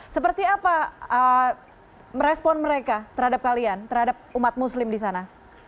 seperti apa respon mereka terhadap kalian terhadap umat muslim di sana